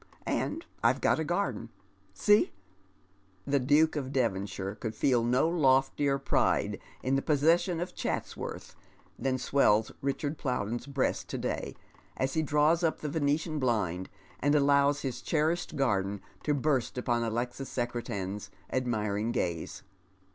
And I've got a garden. See !" The Duke of Devonshire could feel no loftier pride in the possession of Chatsworth than swells Richard Plowden's breast to day, as he draws up the Venetian bHnd and allows his cherished garden to burst upon Alexis Secretan's admiring gaze.